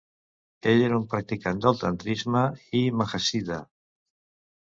Ell era un practicant del tantrisme i mahasiddha.